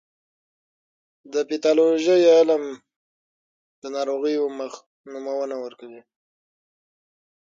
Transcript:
د پیتالوژي علم د ناروغیو نومونه ورکوي.